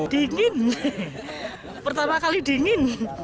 dingin pertama kali dingin